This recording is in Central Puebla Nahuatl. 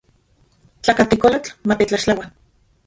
Tlakatekolotl matetlaxtlaua.